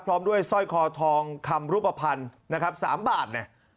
พร้อมด้วยสร้อยคอทองคำรูปภัณฑ์นะครับ๓บาทเนี่ย